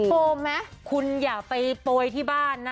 โฟมไหมคุณอย่าไปโปรยที่บ้านนะ